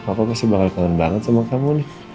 papa pasti bakal kangen banget sama kamu nih